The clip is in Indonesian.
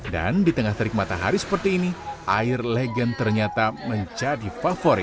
dan di tengah terik matahari seperti ini air legend ternyata menjadi favorit